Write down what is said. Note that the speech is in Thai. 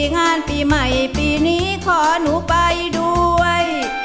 งานปีใหม่ปีนี้ขอหนูไปด้วย